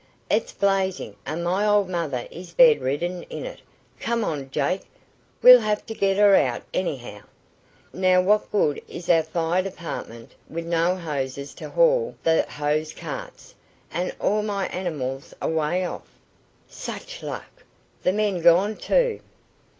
"It's blazing, and my old mother is bedridden in it! Come on, Jake! We'll have t' git her out, anyhow. Now what good is our fire department with no hosses t' haul th' hose carts, an' all my animals away off! Sech luck! Th' men gone, too!"